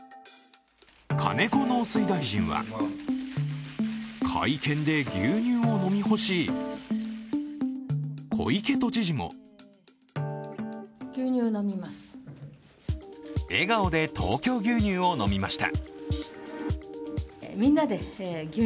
金子農水大臣は会見で牛乳を飲み干し、小池都知事も笑顔で東京牛乳を飲みました。